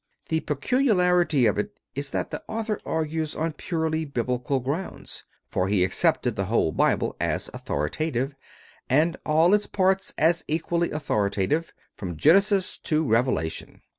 The peculiarity of it is that the author argues on purely Biblical grounds; for he accepted the whole Bible as authoritative, and all its parts as equally authoritative, from Genesis to Revelation.